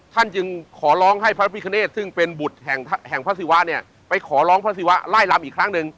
จึงขอร้องให้พระพิคเนธซึ่งเป็นบุตรแห่งพระศิวะเนี่ยไปขอร้องพระศิวะไล่ลำอีกครั้งหนึ่ง